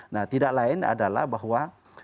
nah tidak lain adalah bahwa